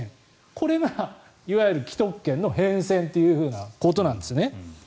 これがいわゆる既得権の変遷ということなんですね。